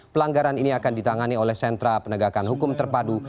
pelanggaran ini akan ditangani oleh sentra penegakan hukum terpadu